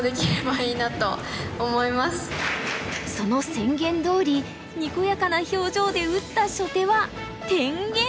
その宣言どおりにこやかな表情で打った初手は天元。